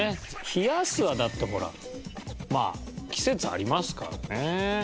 「冷やす」はだってほらまあ季節ありますからね。